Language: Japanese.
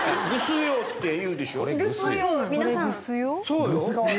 そうよ。